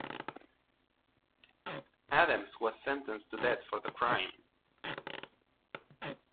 Adams was sentenced to death for the crime.